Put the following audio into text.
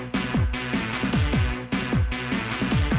pernah menemani saya